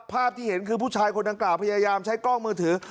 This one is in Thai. ภาพที่เห็นคือผู้ชายคนดังกล่าวพยายามใช้กล้องมือถือ